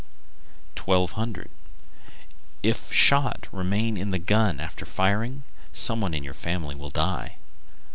1200. If shot remain in the gun after firing, some one of your family will die.